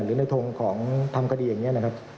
หรือในทงของทำคดีอย่างนี้นะครับ